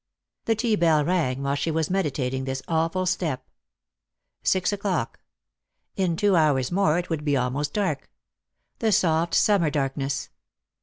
The tea bell rang while she was meditating this awful step. Six o'clock. In two hours more it would be almost dark^the soft summer darkness.